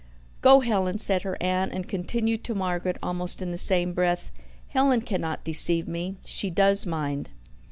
"Go, Helen," said her aunt; and continued to Margaret almost in the same breath: "Helen cannot deceive me, She does mind."